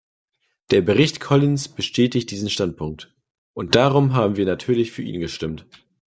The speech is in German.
Der Bericht Collins bestätigt diesen Standpunkt, und darum haben wir natürlich für ihn gestimmt.